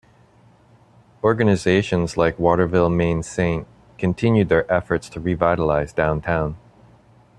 Organizations like Waterville Main Saint continue their efforts to revitalize downtown.